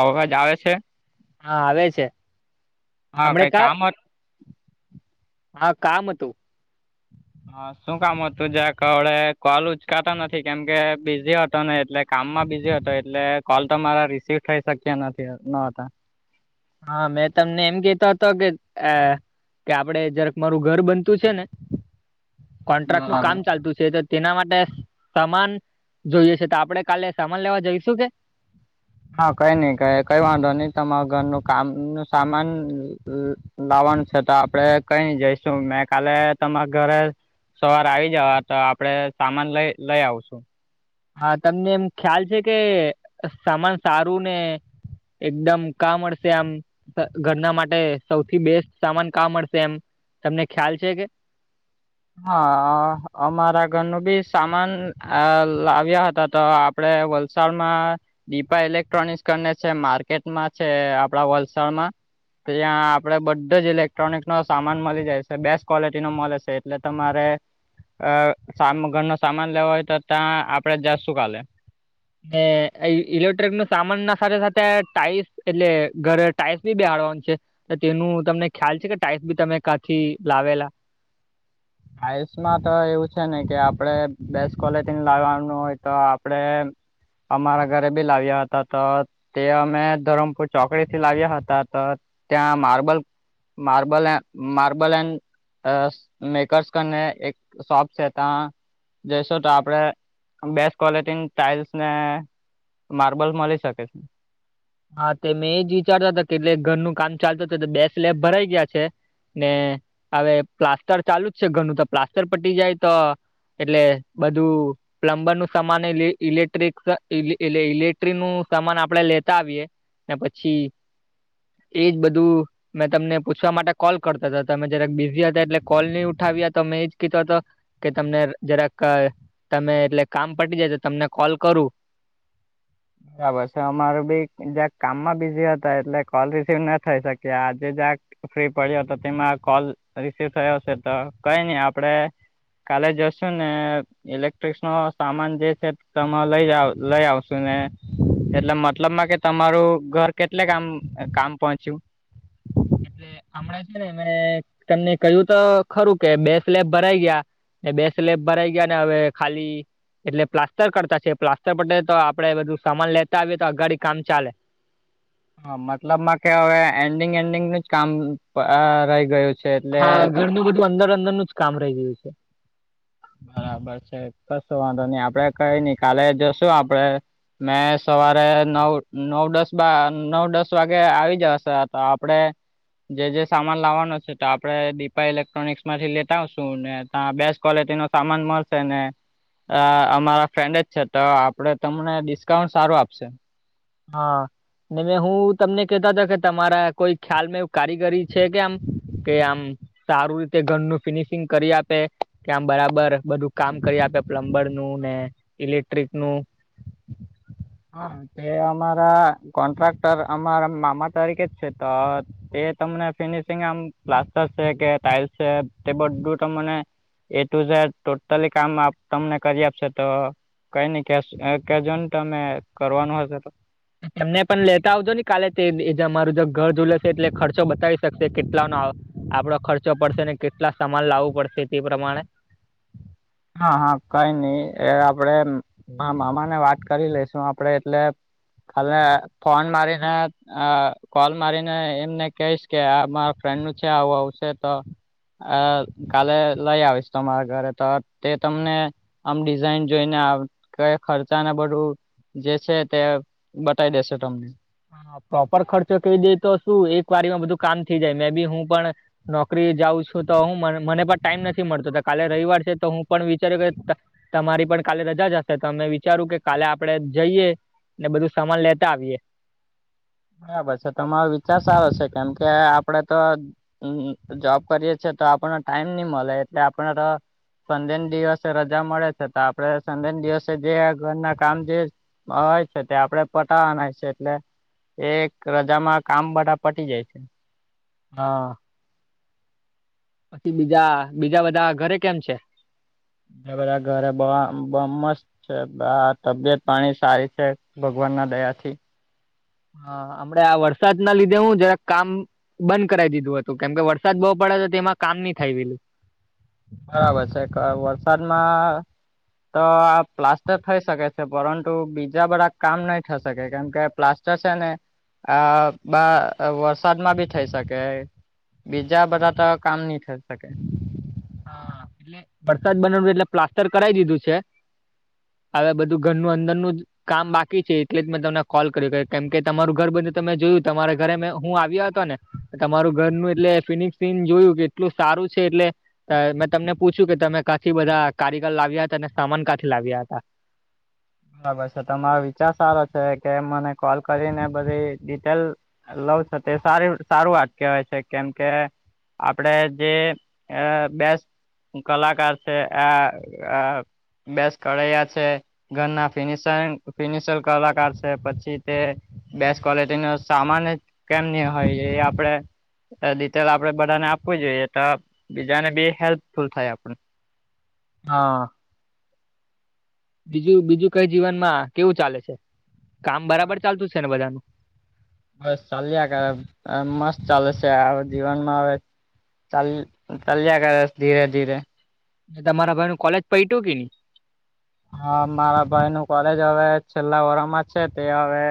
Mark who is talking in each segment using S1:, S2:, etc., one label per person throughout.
S1: અવાજ આવે છે.
S2: હા આવે છે.
S1: હા
S2: હમણે
S1: કંઈ
S2: કા
S1: કામ હત.
S2: હા કામ હતું.
S1: હા. હા શું કામ હતું જં કડે કોલ ઉચકાતા નથી કેમ કે બિઝી હતો ને એટલે. કામમાં બિઝી હતો એટલે કોલ તમારા મારા રિસીવ થઈ શક્યા નથી ન હતા.
S2: હા મેં તમને એમ કતો હતો કે આ. કે આપડે જરાક મારું ઘર બનતું છે ને કોન્ટ્રાક્ટ નું
S1: બરાબર.
S2: કામ ચાલતું છે. તેના માટે સમાન જોઈએ છે તો આપડે કાલે સમાન લેવા જઈશું કે.
S1: હા કઈ નઈ ક કઈ વાંધો નહી તમારા ઘરનું કામ નુ સામાન. લાવવાનું છે તો આપડે કઈ જઈશું મેં કાલે તમારા ઘરે. સવાર આવી જવા તો આપડે સામાન લઈ લઈ આવશું.
S2: હા તમને એમ ખ્યાલ છે કે સામાન સારું ને. એકદમ કામ મડશે આમ. ઘરના માટે સૌથી બેસ્ટ સામાન કા મળશે એમ તમને ખ્યાલ છે કે.
S1: હા અમારા ઘરનું બી સામાન અ લાવ્યા હતા તો. આપડે વલસાડમાં દીપા ઇલેક્ટ્રોનિક્સ કરને છે માર્કેટમાં છે આપડા વલસાડમાં. તો ત્યાં આપડે બધો જ ઇલેક્ટ્રોનિક નો સામાન મળી જાય છે બેસ્ટ ક્વલિટી નો મળે છે. એટલે તમારે અ સા ઘર ન સામાન લેવો હોય તો ત્યાં આપડે જશું કાલે.
S2: એ ઇલ ઇલેક્ટ્રિક નુ સામાન ના સાથે સાથે ટાઈલ્સ એટલે ઘરે ટાઈલ્સ બી બેહારવાનું છે. તેનું તમને ખ્યાલ છે કે ટાઈલ્સ બી તમે કાથી લાવેલા.
S1: આઈએસમાં તો એવું છે ને કે આપડે બેસ્ટ કોલેટીની લાવવાનું હોય તો આપડે અમારા ઘરે બી લાવ્યા હતા તો કે અમે ધરમપુર ચોકડીથી લાવ્યા હતા તો ત્યાં માર્બલ માર્બલ એ માર્બલ એન અ સ્નેક કર્સ કને એક શોપ છે તા જઈશું તો આપણેે બેસ્ટ કોલેટીની ટાઇલ્સને માર્બલ મલી શકે છે.
S2: હા તે મેં એજ વિચારતા તા કે એટલે ઘરનું કામ ચાલતું હતું તો બે સ્લેપ ભરાઈ ગયા છે. ને હવે પ્લાસ્ટર ચાલુ જ છે ઘરનું તો પ્લાસ્ટર પટી જાય તો એટલે બધું પ્લમ્બરનું સામાનએ લેઈ ઇલેક્ટ્રિક ઈ ઇલે ઇલે ઇલેક્ટ્રિકનું સામાન આપડે લે તા આવીએ ને પછી એજ બધું મેં તમને પૂછવા માટે કોલ કરતો તો તમે જરાક બિઝી હતા એટલે કોલ નહી ઉઠાવ્યા તો મેં એજ કેતો તો કે તમને જરાક તમે એટલે કામ પટી જાય તો તમને કોલ કરું.
S1: બરાબર સે અમારું બી જરાક કામમાં બીઝી હતા એટલે કોલ રિસીવ ન થઈ શક્યો આજે જરાક ફ્રી પડ્યા તો તેમાં આ કોલ રિસીવ થયો સે તો કઈ નહી આપડે કાલે જશુ ને ઇલેક્ટ્રિકસનો સામાન જે છે તમ લઈ આવ લઈ આવશું ને એટલે મતલબમાં કે તમારું ઘર કેટલેક આમ કામ પહોંચ્યું?
S2: એટલે હમણાં છે ને મેં તમને કહ્યું તો ખરું કે બે સ્લેપ ભરાઈ ગયા. એ બે સ્લેબ ભરાઈ ગયાને હવે ખાલી એટલે પ્લાસ્ટર કરતા છે પ્લાસ્ટર પટે તો આપડે બધું સમાન લેતા આવીએ તો અઘાડી કામ ચાલે.
S1: હા મતલબમાં કે હવે એન્ડિંગ એન્ડિંગનું જ કામ અ રહી ગયું. છે એટલે
S2: હા ઘરનું બધું અંદર અંદરનું જ કામ રહી ગયું છે.
S1: હા બસ એજ કશું વાંધો નઈ આપડે કઈ નઈ કાલે જશું આપડે મેં સવારે નવ નવ દસ બા નવ દસ વાગે આવી જશે તો આપડે જે જે સામાન લાવવાનો છે તો આપડે દીપા ઇલેક્ટ્રોનિક્સમાંથી લેતા આવશું ને ત્યાં બેસ્ટ ક્વોલિટીનો સામાન મળશે ને અ અમારા ફ્રેન્ડ જ છે તો આપડે તમને ડિસ્કાઉન્ટ સારું આપશે.
S2: હા ને મે હું તમને કેતાતા કે તમારા કોઈ ખ્યાલમાં એવું કારીગરી છે કે આમ કે આમ સારું રીતે ઘરનું ફિનિશિંગ કરી આપે કે આમ બરાબર બધું કામ કરી આપે? પ્લમ્બરનું ને ઇલેક્ટ્રિકનું?
S1: હા તે અમારા કોન્ટ્રાક્ટર અમારા મામા તરીકે જ છે તો એ તમને ફિનિશિંગ આમ પ્લાસ્ટર છે કે ટાઇલ્સ છે તે બધું તમને એ ટુ ઝેડ ટોટલી કામ આપ તમને કરી આપશે તો કઈ નઈ કેસ અ કેજો ને તમને કરવાનું હશે તો
S2: એમને પણ લેતા આવજો ને કાલે તેજ એ અમારું જગ ઘર ધૂલેશે એટલે ખર્ચો બતાવી શકશે કેટલાનો આપડો ખર્ચો પડશેને કેટલા સમાન લાવું પડશે તે પ્રમાણે
S1: હા હા કઈ નહી એ આપણેે માર મામાને વાત કરી લેશું આપડે એટલે હલે ફોન મારીને. આ કોલ મારીને એમને કહીશ કે આ મારા ફ્રેન્ડ નું છે આવું આવશે તો અ કાલે લઈ આવીશ તમારા ઘરે તો તે તમને આમ ડિઝાઇન જોઈને કે ખર્ચાને બધું. જે છે તે બતાવી દેશે તમને.
S2: હા પ્રોપર ખર્ચો કઈ દે તો શું એકવાર એમાં બધું કામ થઈ જાય મે બી હું પણ નોકરી જાઉં છું તો હું મને મને પણ ટાઈમ નથી મળતો કાલે રવિવાર છે તો હું પણ વિચાર્યો કે તમ તમારી પણ કાલે રજા જ હશે તો મેં વિચારું કે કાલે આપણે જઈએ. ને બધું સમાન લેતા આવીયે.
S1: બરાબર સે તમારો વિચાર સારો છે કેમ કે આપડે તો હમ હમ જોબ કરીએ છીએ તો આપણને ટાઈમ ની મલે એટલે આપણે તો સન્ડેના દિવસે રજા મળે છે તો આપડે સન્ડેના દિવસે જે ઘરના કામ જે હ છે તે આપડે પટાવાના છે એટલે એક રજામાં કામ બધા પટી જાય છે.
S2: હા. પછી બીજા બીજા બધા ઘરે કેમ છે.
S1: બધા ઘર બ મસ્ત બા તબિયત પાણી સારી છે ભગવાન ના દયા થી.
S2: હા હમડ આ વરસાદ ના લીધે હું જરાક કામ બંધ કરાવ દીધું હતું કેમ કે વરસાદ બહુ પડ્યો હતો તે એમાં કામ નહીં થાય વેલું.
S1: બરાબર છે વરસાદમાં તો આ પ્લાસ્ટર થઈ શકે છે પરંતુ બીજા બધા કામ નહી થઈ શકે કેમકે પ્લાસ્ટ ને આ વરસાદમાં બી થઈ શકે. બીજા બધા તો કામ નહી થઈ શકે
S2: હા એટલે વરસાદ બનાવ એટલે પ્લાસ્ટર કરાવી દીધું છે. હવે બધું ઘરનું અંદરનું જ કામ બાકી છે એટલે જ મેં તમને કોલ કર્યું કેમ કે તમારું ઘર બધ્યું તમે જોયું તમારા ઘરે મેં હું આવ્યા હતો ને તમારું ઘરનું એટલે ફિનિશ સિન જોયું કે એટલું સારું છે એટલે મેં તમને પૂછ્યું કે તમે કાંથી બધા કારીગર લાવ્યા હતા અને સામાન કાંથી લાવ્યા હતા
S1: બરાબર છે તમારો વિચાર સારો છે કે મને કોલ કરીને બધી ડિટેલ લવ છે તે સારી સારું વાત કેવાય છે કેમ કે આપડે જે અ બેસ કલાકાર છે આ બેસ કરૈયા છે. ઘરના ફિનિશ ફિનિશર કલાકાર છે પછી તે બેસ્ટ ક્વલિટી નો સામાન જ કેમની હોય એ આપડે રિટેલ આપડે બધાને આપવું જોઈએ તો બીજાને બી હેલ્પફુલ થાય એમ.
S2: હા. બીજું બીજું કઈ જીવનમાં કેવું ચાલે છે કામ બરાબર ચાલતું છે ને બધાનું
S1: બસ ચાલ મસ્ત ચાલે છે હ જીવનમાં હવે. તલ તલ્યા કર ધીરે ધીરે
S2: તમારા ભાઈ નું કોલેજ પૈટું કે ન
S1: હા મારા ભાઈ નું કોલેજ હવે છેલ્લા વરમાં છે તે હવે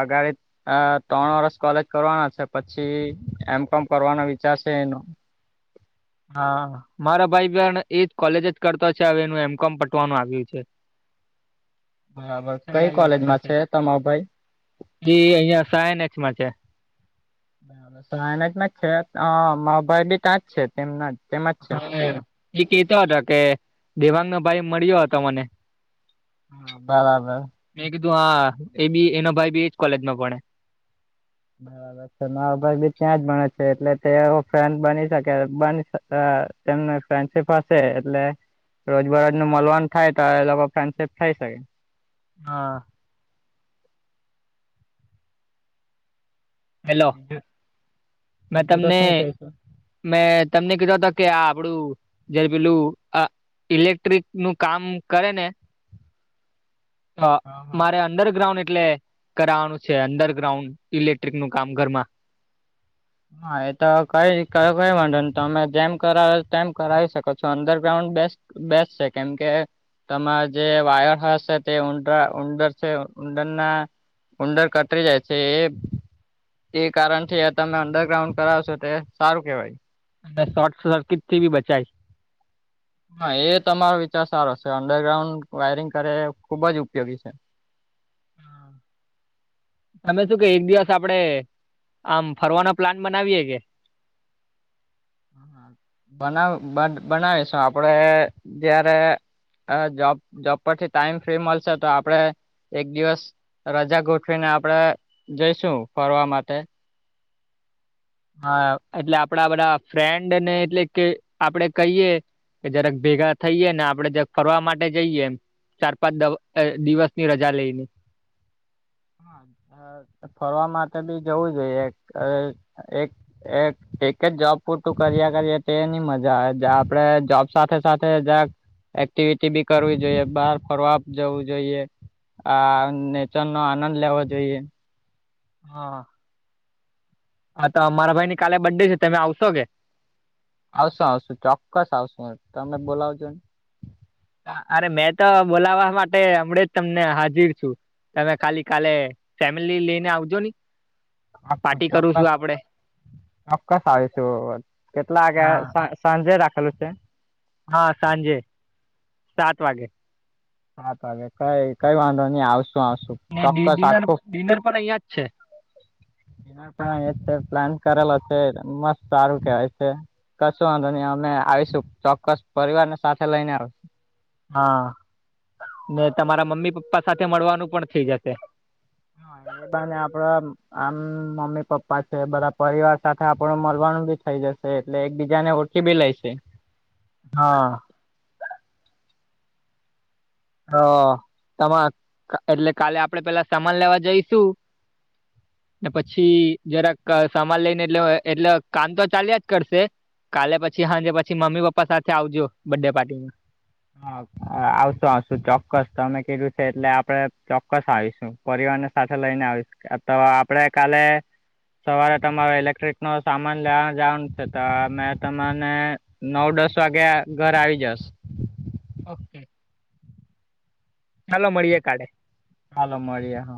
S1: અગારે અ ત્રણ વર્ષ કોલેજ કરવાના છે પછી એમ કોમ કરવાનો વિચાર છે એનો.
S2: હા મારા ભાઈ બેન એજ કોલેજ જ કરતો છે હવે એનું એમ કોમ પટવાનું આવ્યું છે.
S1: બરાબર કઈ
S2: છેલ્લા
S1: કોલેજમાં છે તમારો ભાઈ.
S2: જી અહિયાં સાયન એક્સ માં છે.
S1: બબ તો એના જમાં છે મોબાઈલી ત્યાંજ છે તેમના જ. તેમાં છે.
S2: હા એ કતો હતો કે દેવાંગ નો ભાઈ મળ્યો હતો મને
S1: હા બરાબર.
S2: મેં કીધું હા એ બી એનો ભાઈ બી એજ કોલેજમાં ભડે.
S1: બરાબર. મારો ભાઈ બી ત્યાં જ ભણે છે એટલે તે એવો ફેન બની શકે બની શ અ તેમને ફ્રેન્ડશીપ હશે એટલે રોજબરોજ નુ મલવાનુ થાય તો એ લોકો ફ્રેન્ડશિપ થઈ શકે.
S2: હા. હેલો
S1: બીજું
S2: મે
S1: બીજું તો
S2: તમને
S1: શું કહીશ
S2: મેં તમને કીધો હતો કે આ આપડું જે પેલું. ઇલેક્ટ્રિક નું કામ કરે ને. હા મારે. અંડરગ્રાઉન્ડ એટલે કરવાનું છે અંડરગ્રાઉન્ડ ઇલેક્ટ્રિક નું કામ ઘરમાં.
S1: હા એ તો કઈ ક કઈ વાંધો નહીં તમે જેમ કરાવો તેમ કરાવી શકો છો અંડરગ્રાઉન્ડ બેસ્ટ બેસ્ટ છે. કેમ કે તમાર જે વાયર હશે તે ઉંડ્રા ઉંંડર છે ઉંડરના ઉંંડર કતરી જાય છે એ એ કારણથી તમે અંડરગ્રાઉન્ડ કરાવશો તે સારું કેવાય.
S2: અને શોર્ટ સર્કિટ થી બી બચાય.
S1: હ એ તમારો વિચાર સારો છે અંડરગ્રાઉન્ડ વાયરિંગ કરે એ ખુબ જ ઉપયોગી છે.
S2: તમે શું કેય? એક દિવસ આપડે આમ ફરવાનો પ્લાન બનાવીએ કે?
S1: બનાવ બના બનાવીશું આપડે ત્યારે હ જોબ જોબ પરથી ટાઈમ ફ્રી મલશે તો આપડણે એક દિવસ રજા ગોઠવીને આપડે જઈશું ફરવા માટે.
S2: હ એટલે આપડા બધા ફ્રેન્ડને એટલે કે આપડે કહીએ કે જરાક ભેગા થઈએે ને આપડણે જક ફરવા માટે જઈએ એમ. ચાર પાંચ દ દિવસ ની રજા લઈને
S1: હ, ફરવા માટે બી જવું જોઈએ. એક એક એક એક જ જોબ પૂરતું કર્યા કરીએ તે ની મજા આવે આપડે જોબ સાથે સાથે જક એક્ટિવિટી બી કરવી જોઈએ, બહાર ફરવા જવું જોઈએ, આ નેચ નો આનંદ લેવો જોઈએ.
S2: હ, હતો અમારા ભાઈ ની કાલે બડ ડે છે તમે આવશો કે?
S1: આવશુ આવશું ચોક્કસ આવશુ તમે બોલાવજો ને.
S2: અરે મે ત બોલાવા માટે હમડે જ તમને હાજિર છું. તમે ખાલી કાલે ફેમિલી લેઈને આવજો ની.
S1: આ
S2: પાર્ટી કરું છું
S1: ચોક્કસ,
S2: આપડે.
S1: ચોક્કસ આવીશું. કેટલા વાગે?
S2: હા
S1: સાંજે રાખલું છે.
S2: હ, સાંજે સાત વાગે.
S1: હા તો હવે કઈ કઈ વાંધો નહી આવશું આવશું. ચોક્કસ
S2: ડિડીઅર
S1: આખું
S2: ડિનર પણ અહિયાં જ છે.
S1: પણ પ્લાન કરેલો છે. મસ્ત સારું કેવાય છે. કશું આંધો નહી. અમે આવીશું ચોક્કસ પરિવાર ને સાથે લઈને આવ.
S2: હા, ને તમારા મમ્મી પપ્પા સાથે મળવાનું પણ થઇ જશે.
S1: હા એ બા ને આપડા આમ મમ્મી પપ્પા છે. બધા પરિવાર સાથે આપણું મલવાનું બી થઇ જશે એટલે એકબીજા ને કે બી લઈ છે.
S2: હહહ. તો તમા એટલે કાલે આપડે પેલા સમાન લેવા જઈશું. ને પછી જરાક સામાન લઈને એટલે એટલે કામ તો ચાલ્યા જ કરશે. કાલે પછી હાંજે પછી મમ્મી પપ્પા સાથે આવજો બડે ડે પાટીમાં.
S1: હા. આવશું આવશું ચોક્કસ તમે કીધું છે એટલે આપડે ચોક્કસ આવીશું પરિવાર ને સાથે લઈને આવીશું. તો આપડે કાલે સવારે તમારો ઇલેક્ટ્રિક નો સામાન લેવા જવાનું છે તો મે તમાને નવ દસ વાગ્યા ઘર આવી જસ.
S2: ઓકે. ચાલો મળીએે કાલે.
S1: હાલો મળ્યે હ.